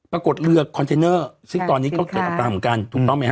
เรือคอนเทนเนอร์ซึ่งตอนนี้ก็เกิดอัตราเหมือนกันถูกต้องไหมฮ